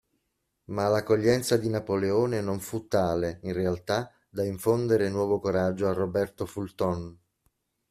Ma l'accoglienza di Napoleone non fu tale, in realtà, da infondere nuovo coraggio a Roberto Fulton.